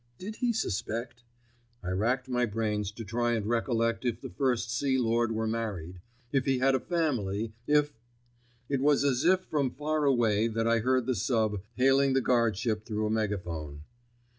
Did he suspect? I racked my brains to try and recollect if the First Sea Lord were married, if he had a family, if——. It was as if from far away that I heard the sub, hailing the guardship through a megaphone.